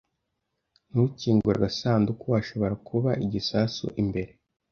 Ntukingure agasanduku. Hashobora kuba igisasu imbere.